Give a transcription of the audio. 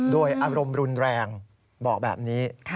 อารมณ์รุนแรงบอกแบบนี้